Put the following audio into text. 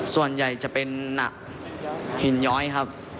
ส่วนใหญ่จะเป็นหนักหินย้อยครับ